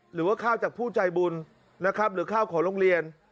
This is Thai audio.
หรือว่าข้าวจากผู้ใจบุญนะครับหรือข้าวของโรงเรียน